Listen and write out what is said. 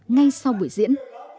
ngay sau buổi diễn